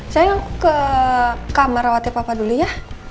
saya nunggu ke kamar watip papa dulu ya